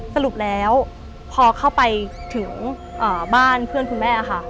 สรุปแล้วพอเข้าไปถึงบ้านเพื่อนคุณแม่ค่ะ